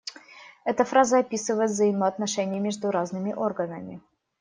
Эта фраза описывает взаимоотношения между разными органами.